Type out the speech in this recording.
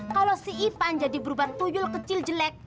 kalo si ipan jadi berubah tuyul kecil jelek